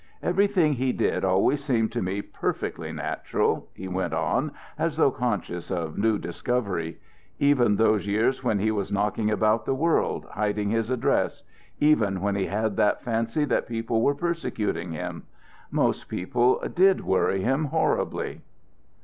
"Everything he did always seemed to me perfectly natural," he went on, as though conscious of new discovery. "Even those years when he was knocking about the world, hiding his address. Even when he had that fancy that people were persecuting him. Most people did worry him horribly."